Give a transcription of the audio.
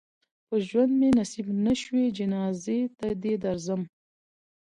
په ژوند مې نصیب نه شوې جنازې ته دې درځم.